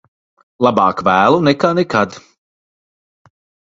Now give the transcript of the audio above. Labāk vēlu nekā nekad.